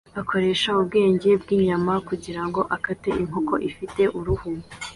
akoresha ubwenge bwinyama kugirango akate inkoko ifite uruhu